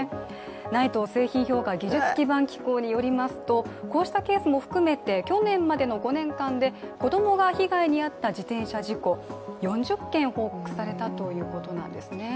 ＮＩＴＥ＝製品評価技術基盤機構によりますとこうしたケースも含めて、去年までの５年間で子供が被害に遭った自転車事故、４０件報告されたということなんですね。